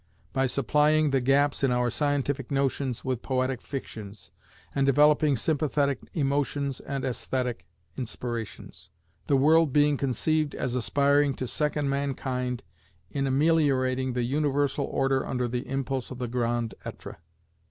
"by supplying the gaps in our scientific notions with poetic fictions, and developing sympathetic emotions and aesthetic inspirations: the world being conceived as aspiring to second mankind in ameliorating the universal order under the impulse of the Grand Etre."